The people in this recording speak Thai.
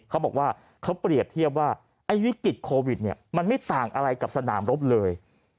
เขาบอกว่าเขาเปรียบเทียบว่าไอ้วิกฤตโควิดเนี่ยมันไม่ต่างอะไรกับสนามรบเลย